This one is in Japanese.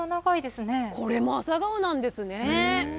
これも朝顔なんですね。